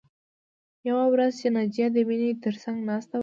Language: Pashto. یوه ورځ چې ناجیه د مینې تر څنګ ناسته وه